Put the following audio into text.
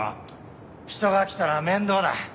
人が来たら面倒だ。